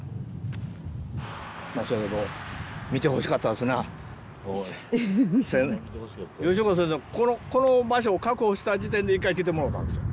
まぁそやけど見てほしかったですな吉岡先生がこの場所を確保した時点で一回来てもろたんすよ